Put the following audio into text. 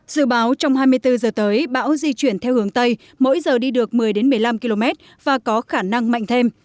dự báo trong hai mươi bốn giờ tới bão di chuyển theo hướng tây mỗi giờ đi được một mươi một mươi năm km và có khả năng mạnh thêm